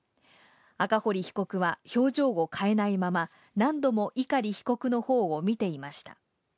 赤堀被告は表情を変えないまま、何度も碇被告のほうを見ていました。